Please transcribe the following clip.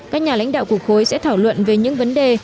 các nhà lãnh đạo của khối sẽ thảo luận về những vấn đề